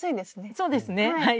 そうですねはい。